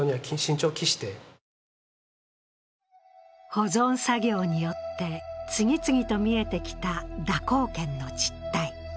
保存作業によって次々と見えてきた蛇行剣の実態。